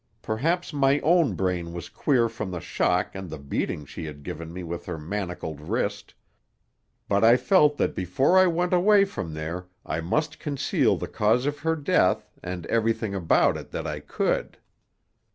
Perhaps my own brain was queer from the shock and the beating she had given me with her manacled wrist; but I felt that before I went away from there I must conceal the cause of her death, and everything about it that I could.